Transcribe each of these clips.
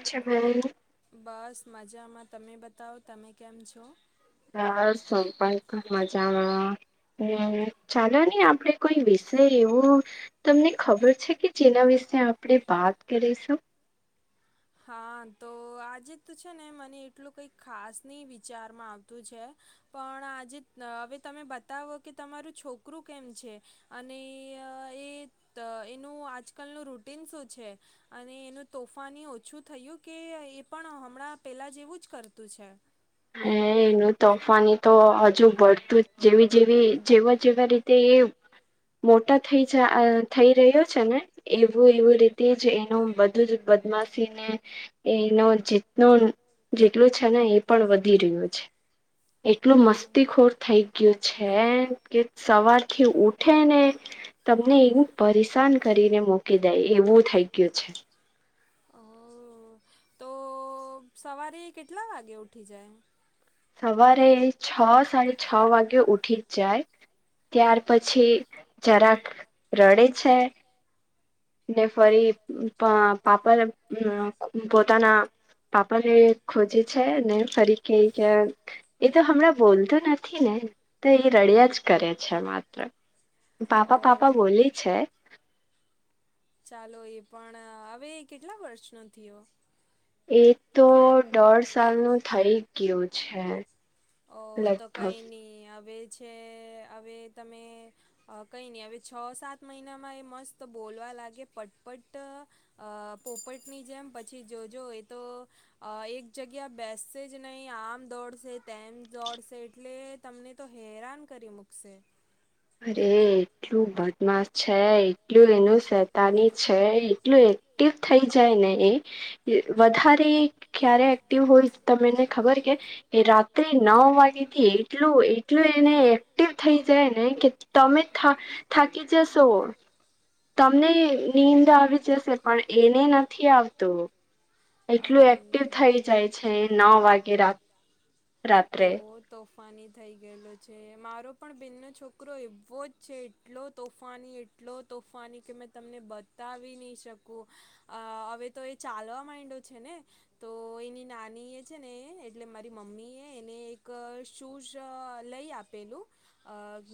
અચ્છા ભાઈ બસ મજામાં તમે બતાવ તમે કેમ છો? બસ હું પણ ખુબ મજામાં. હમ ચાલો ને આપડે કોઈ વિષયએવું તમને ખબર છે કે જેના વિશે આપણે વાત કરીશું. [inaudible] હા તો આજે તો છે ને મને એટલું કઈ ખાસ નહી વિચારમાં આવતું છે. પણ આજે હવે તમે બતાવો કે તમારું છોકરું કેમ છે અને એ એનું આજકાલનું રૂટીન શું છે. અને એનું તોફાની શું થયું કે એ પણ હમણાં પહેલાં જેવું જકરતું છે. એનું તોફાની તો હજુ ભળતું જ જેવી જેવી જેવા જેવા રીતે એ મોટા થઈ જ થઈ રહ્યો છે. ને એવું એવું રીતે જ એનું બધું જ બદમાસી ને એનો જે જેટલું છે. ને એ પણ વધી રહ્યો છે. એટલો મસ્તીખોર થઈ ગયો છે કે સવારથી ઉઠે ને તમને એવું પરેશાન કરીને મોકી દે એવું થઈ ગયું છે. તો સવારે કેટલા વાગે ઉઠી જાય? સવારે છ સાડ છ વાગે ઉઠી જ જાય. ત્યાર પછી જરાક રડે છે. ફરી પાપા પોતાના પાપા ને ખોજી છે ને ફરી ક એ તો હમણાં બોલતોું નથી ને તો એ રડિયા જ કરે છે. માત્ર પાપા પાપા બોલી છે. ચાલો એ પણ હવે કેટલા વર્ષ નો થયો? એ તો દોઢ સાલ નું થઇ ગયું છે. ઓ તો કઈ નઈ હવે છે. હવે તમે કઈ નહી હવે છો સાત મહિનામાં એ મસ્ત બોલવા લાગે પટ પટ પોપટ ની જેમ પછી જોજો એ તો એક જગ્યા બેસસે જ નહી આમ દોડશે તેમ દડશે એટલે તમને તો હેરાન કરી મૂકશે. અરે એટલું બદમાશ છે. એટલું એનું સતાની છે. એટલું એક્ટિવ થઈ જાય ને એ વધારે ક્યારે એક્ટિવ હોય તમને ખબર કે? એ રાત્રે નવ વાગે થી એટલું એટલું એને એક્ટિવ થઈ જાય. ને કે તમે થા થકીકી જસો. તમને નીંદ આવી જશે પણ એને નથી આવતું. એટલું એક્ટિવ થઈ જાય છે નવ વાગે રા રાત્રે. તોફાની થઈ ગયેલો છે મારો પણ બેનનો છોકરો એવો જ છે એટલો તોફાની એટલો તોફાની કે મે તમને બતાવી નહી શકું હવે તો એ ચાલવા માંડ્યો છે ને. તો એની નાની એ છે ને એટલે મારી મમ્મી એ એને એક શૂઝ લઈ આપેલું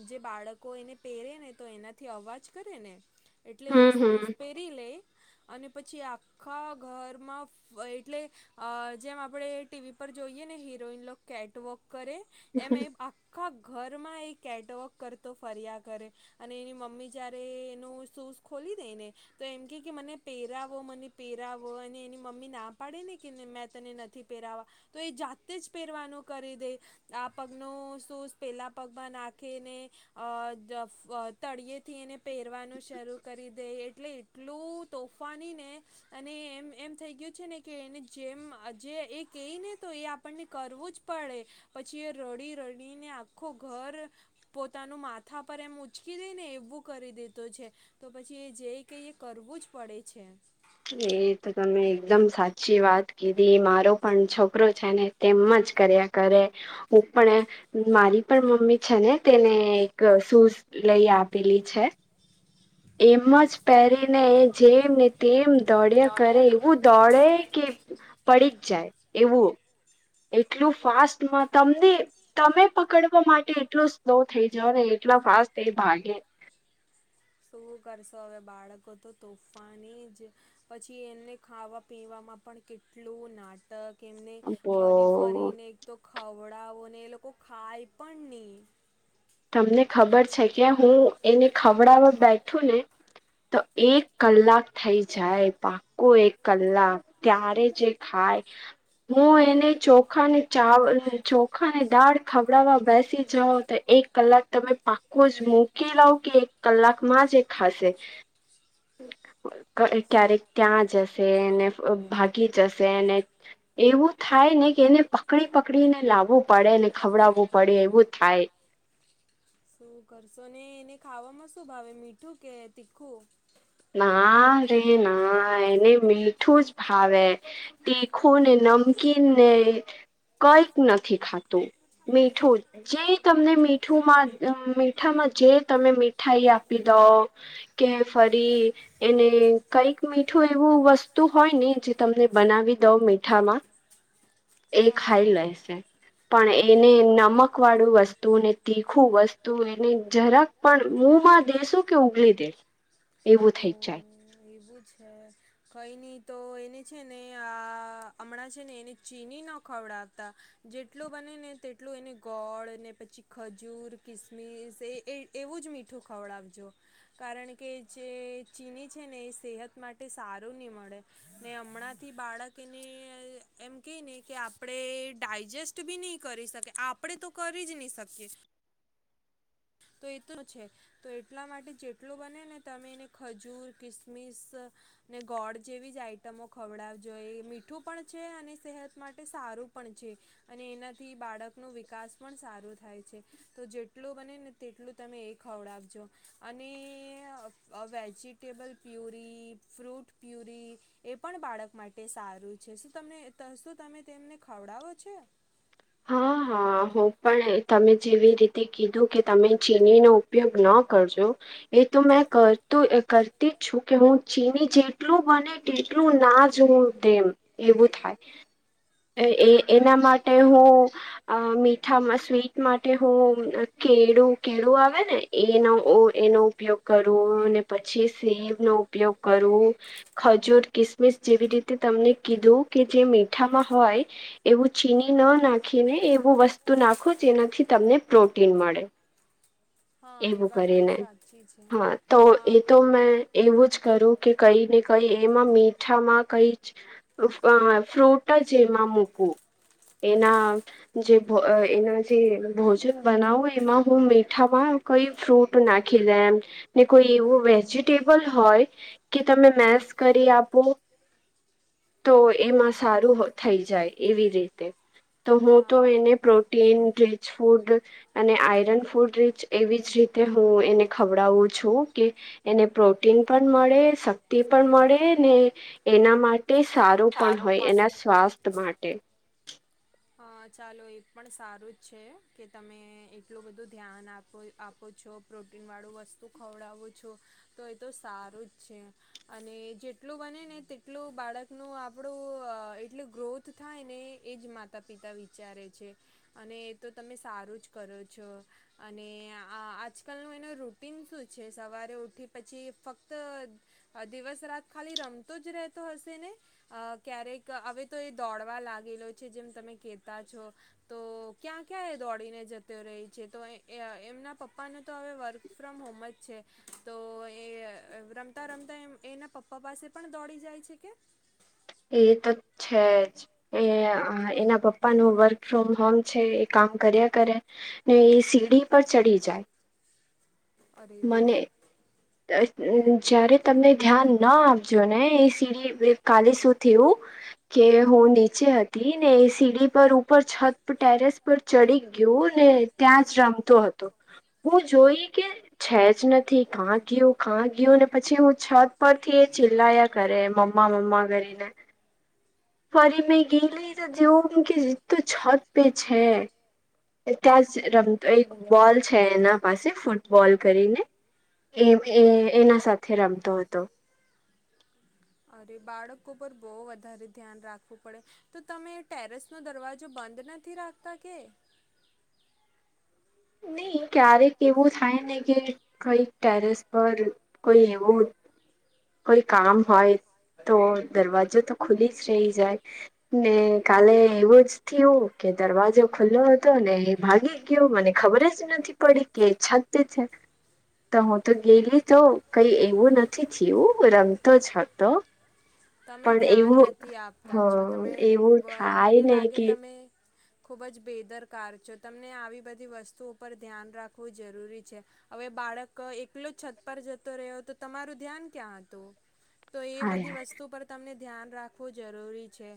જે બાળકો એને પહેરે ને તો એનાથી અવાજ કરે ને એટલે એ સૂઝ પહેરી લે અને પછી આખા ઘરમાં ફરે એટલે જેમ આપણે ટીવી પર જોઈએ ને હિરોઈન કેટ વોક કરે એમાં આખા ઘરમાં એ કેટવોક કરતો ફર્યા કરે અને એની મમ્મી જ્યારે એનું શું ખોલી દે ને તો એમ કે મને પહેરાવો મને પહેરાવો અને એની મમ્મી ના પાડે ને કે મેં તને નથી પહેરાવા તો એ જાતે જ પહેરવાનું કરી દે આ પગનો સૂઝ પેલાં પગવા નાખને અ તળિયેથી એને પહેરવાનું શરૂ કરી દે એટલે એટલું તોફાની ને અને એમ એમ થઈ ગયું છે ને કે એને જે એમ જે એ કઈ ને તો એ આપણને કરવું જ પડે પછી એ રડી રડીને આ આખું ઘર પોતાનું માથા પર એમ ઉચકી દઈ ને એવું કરી દીધું છે. તો પછી એ જઈ કઈ એ કરવું જ પડે છે. એ તો તમે એકદમ સાચી વાત કીધી મારો પણ છોકરો છે ને તેમ જ કર્યા કરે હું પણ મારી પણ મમ્મી છે ને તેને એક સૂઝ લઈ આપેલી છે. એમ જ પહેરીને જેમ ને તેમ દોડિયા કરે એવું દોડે કે પડી જ જાય એવું. એટલું ફાસ્ટમાં તમને તમે પકડવા માટે એટલો સ્લો થઈ જાવ ને એટલા ફાસ્ટ એ ભાગે [inaudible] શું કરશો હવે બાળકો તો તોફાની જ પછી એમને ખાવા પીવા માં પણ કેટલું નાટક એમને ફરી ફરીને એક તો ખ વડાઓને એ લોકો ખાય પણ ની. તમને ખબર છે કે હું એને ખવડાવા બેઠું ને તો એક કલાક થઈ જાય પાકો એક કલાક ત્યારે જ એ ખા ય. હું એને ચોખાને ચાવલ અ ચોખાને દાળ ખવડાવા બેસી જાઉં તો એક કલાક તમે પાકો જ મૂકી લવ કે એક કલાકમાં જ એ ખાસે. ક ક્યારેક ત્યાં જ શે ને અ ભાગી જશે ને એવું થાય ને કે એને પકડી પકડીને લા આવું પડે ને ખવડાવવું પડે એવું થાય. શું કરશો ને એને ખાવામાં શું ભાવે મીઠું કે તીખું? ના રે ના એને મીઠું જ ભાવે તીખુ ને નમકીનને કંઈક નથી ખાતું. મીઠું જે તમને મીઠુંમાં અમ્મ મીઠામાં જે તમે મીઠાઈ આપી દો કે ફર દી એને કઈક મીઠું એવું વસ્તુ હોય ને જે તમને બનાવી દવ મીઠા માં એ ખાઈ લેશે પણ એને નમ ક વાળું વસ્તુ ને તીખું વસ્તુ એને જરાક પણ મુમાં દેસું કે ઉગલી દે. એવું થઈ જાય. કઈ ની તો એને છે ને આ અમણાં છે ને એને ચીની ન ખવ ળાતા જેટલું બને ને તેટલું એને ગોળ અને પછી ખજૂર, કિસમિસ એ એ એવું જ મીઠું ખવડાવજો. કારણ કે એ જે ચીની છે ને એ સેહત માટે સારું ની મળે ને હમણાંથી બાળક એ ને એમ કે ને કે આપણે ડાયજેસ્ટ બી નહી કરી શકે આપણે તો કરી જ ની શકીએ [unintelligible] તો એ તો છે તો એટલા માટે જેટલો બને ને તમે એને ખજૂર, કિસમિસ ને ગોળ જેવી જ આઈટમો ખવડાવજો એ મીઠું પણ છે અને સેહત માટે સારું પણ છે અને એનાથી બાળકનો વિકાસ પણ સારો થાય છે. તો જેટલો બને ને તેટલું તમે એ ખવડાવજો અને અ વેજીિટેબલ પ્યુરી ફ્રૂટ પ્યુરી એ પણ બાળક માટે સારું છે. શું તમને ત શું તમે તે મને ખવડાવો છે? હા, હા, હું પણ તમે જેવી રીતે કીધું કે તમે ચીની નો ઉપયોગ ન કરજો એ તો મે કરતું અ કરતી છું કે હું ચીની જેટલું બને તે ટલું ના જો દે એવું થાય અ એ એના માટે હૂં અ મીઠામાં સ્વીટ માટે હું કેળું કેળું આવે ને એનો ઓ એ નો ઉપયોગ કરું અને પછી સેબનો ઉપયોગ કરું ખજૂર, કિસમિસ જે વી રીતે તમને કીધું કે જે મીઠામાં હોય એવું ચીની ઈ ન નાખીને એવું વસ્તુ નાખો જેનાથી તમને પ્રોટીન મળે. હા એ વાત તો સાચી. હા તો એ તો મેં એવું જ કરું કે કઈ ને કઈ એમાં મીઠામાં કઈ ફ્રોટ જેમાં મુકું. એના જે ભો એના જે ભોજન બનાવું એમાં હું મીઠામાં કઈ બી ફ્રૂટ નાખી દેમ. ને કોઈ એવું વેજીિટેબલ હોય કે તમે મેસ કરી આપો. તો એમાં સારું થઈ હો જાય એવી રીત. તો હું તો એને પ્રોટીન રીચ ફૂડ અને આયરન ફૂડ રીચ એવી જ રીતે હું એને ખવડાવું છું કેને પ્રો પ્રોટીન પણ મળે શક્તિ પણ મળે ને એના માટે સારું પણ હોય એના સ્વાસ્થ્ય માટે. હા. ચાલો એ પણ સારુ જ છે કે તમે એટલું બધું ધ્યાન આપો આપો છો. પ્રોટીનવાળું વસ્તુ ખવડાવો છો તો એ તો સારું જ છે અને જેટલું બને તેટલું બાળકનું આપણું એટલું ગ્રોથ થાય ને એજ મા. માતા પિતા વિચારે છે અને એ તો તમે સારું જ કરો છો અને આ આજકાલનું એનું રૂટીન શું છે સવારે ઉઠી પછી ફક્ત દિવસ રાત ખાલી રમતો જ રહેતો હશે ને ક્યારેક હવે તો એ દોડવા લાગેલો છે જેમ તમે કતા છો તો ક્યાં ક્યાં એ દોડીને જતો રહી છે તો એમના પપ્પા પપ્પાનું તો હવે વર્ક ફ્રોમ હોમ જ છે તો એ રમતા રમતા એમ એના પપ્પા પાસે પણ દોડી જાય છે કે. એ તો છે જ એ એના પપ્પાનું વર્ક ફ્રોમ હોમ છે એ કામ કામ કર્યા કરે ને એ સીડી પર ચડી જાય. [inaudible] મને જયારે તમને ધ્યાન ન આપ જો ને એ સીડી એ કાલે સુધ થયું કે હું નીચે હતી ને સીડી પર ઉપર છત ટેરેસ પર [unintelligible] ગયું ને ત્યાં જ રમતો હતો હું જોઈ કે છે જ નથી કાં ગય કાં ગય ને પછી હું છત ઉપરથી એ ચિલ્લાયા કરે મમ્મા મમ્મા કરીને ફરી મેં ગઈ લઈ જેવું કે તો છત પે છે. ત્યાં રમતો એક બોલ છે એના પાસે ફૂટબોલ કરીને એ એ એના સાથે રમતો હતો. [inaudible] અરે બાળકો પર બહુ વધારે ધ્યાન રાખવું પડે તો તમે ટેરેસ નો દરવાજો બંધ નથી રાખતા કે નઈ ક્યારેક એવું થાય ને કે કઈક ટેરેસ પર કોઈ એવું કોઈ કામ હોય તો દરવાજો તો ખુલી જ રહી જાય ને કાલે એવો જ થયો દરવાજો ખુલ્લો હતો ને એ ભાગી ગયો મને ખબર જ નથી પડી કે છત છે. તો હું તો ગેલી થઉં કઈ એવું નથી થયું રમતો જ હતો તમે ધ્યાન નથી આપતા છો તમે મ મને લાગે તમે ખુબ જ બેદરકાર છો તમને આવી બધી વસ્તુ પર ધ્યાન રાખવું જરૂરી છે હવે બાળક એકલો છત પર જતો રહ્યો તો તમારું ધ્યાન ક્યાં હતું. તો એ બધી વસ્તુ પર ધ્યાન રાખવું જરૂરી છે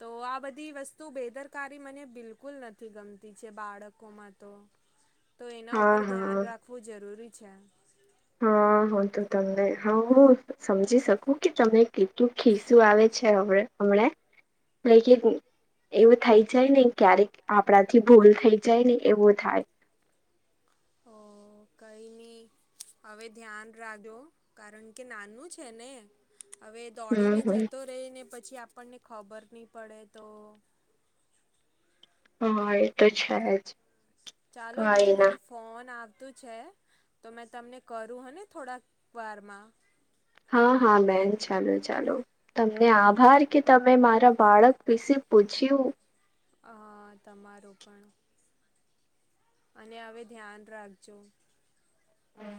તો આ બધી વસ્તુ બેદરકારી મને બિલકુલ નથી. થી ગમતી છે બાળકોમાં તો. તો એના ઉપર ધ્યાન રાખવું જરૂરી છે. હા હું તો તમને હા હું સમજી શકું કે તમે કેટલું ખીસું આવે હણે લ એવું થઈ જાય ને ક્યારેક આપણાથી ભૂલ થઈ જાય ને એવું થાય ઓ કઈ હવે ધ્યાન રાખો કારણ કે નાનું છે ને હવે દોડીને જતો રહી ને પછી પછી આપણને ખબર નહી પડે તો હા એ તો છે જ. ચાલો બેન મને ફોન આવે છે તો મેં તમને કરું હોને થોડાક વારમાં. હા હા બેન ચાલો ચાલો તમને આભાર કે તમે મારા બાળક વિશે પૂછ્યું. હ તમારું પણ અને હવે ધ્યાન રાખજો. હમ.